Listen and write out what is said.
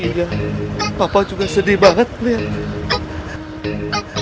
iya papa juga sedih banget nih